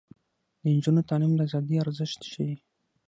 د نجونو تعلیم د ازادۍ ارزښت ښيي.